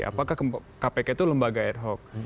apakah kpk itu lembaga ad hoc